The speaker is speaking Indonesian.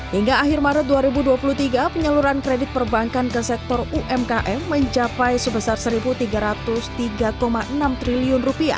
hingga akhir maret dua ribu dua puluh tiga penyaluran kredit perbankan ke sektor umkm mencapai sebesar rp satu tiga ratus tiga enam triliun